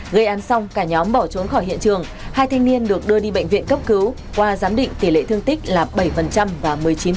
gây án xong cả nhóm bỏ trốn khỏi hiện trường hai thanh niên được đưa đi bệnh viện cấp cứu qua giám định tỷ lệ thương tích là bảy và một mươi chín